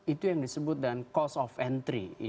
itu yang disebut dengan cost of entry